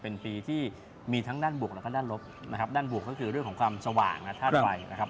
เป็นปีที่มีทั้งด้านบวกแล้วก็ด้านลบนะครับด้านบวกก็คือเรื่องของความสว่างและธาตุไฟนะครับ